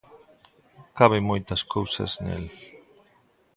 Caben moitas cousas nel.